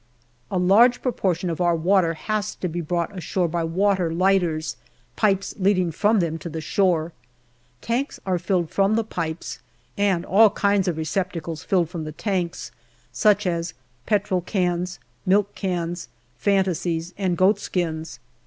A large proportion of our water has to be brought ashore by water lighters, pipes leading from them to the shore. Tanks are filled from the pipes, and all kinds of receptacles filled from the tanks, such as petrol cans, milkcans, fantasies, and goat skins.